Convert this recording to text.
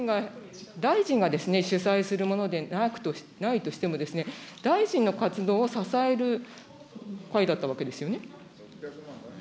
大臣が主催するものでないとしても、大臣の活動を支える会だったわけですよね。